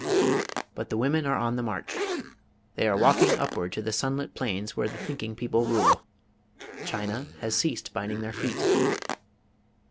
But the women are on the march. They are walking upward to the sunlit plains where the thinking people rule. China has ceased binding their feet.